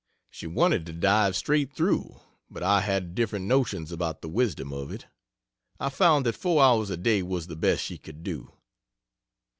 She wanted to dive straight through, but I had different notions about the wisdom of it. I found that 4 hours a day was the best she could do.